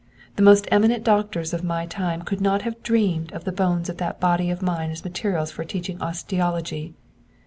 The most eminent doctors of my time could not have dreamed of the bones of that body of mine as materials for teaching osteology.